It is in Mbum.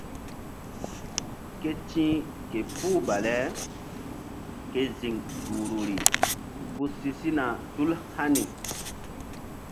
Ke ti̧h ke puh baleke ziŋ duhruri ku si sina tul hani.